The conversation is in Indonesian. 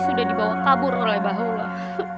sudah dibawa kabur oleh bahaullah